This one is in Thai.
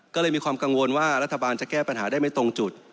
ก็เลยมีความกังวลว่ารัฐบาลจะแก้ปัญหาได้ไม่ตรงจุด